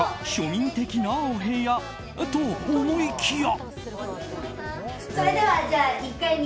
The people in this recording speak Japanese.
庶民的なお部屋と思いきや。